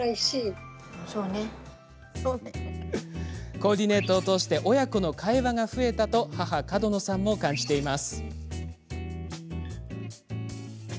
コーディネートを通して親子の会話が増えたと母の角野さんも感じています。